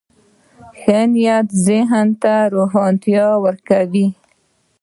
ښه نیت د ذهن روښانتیا ورکوي.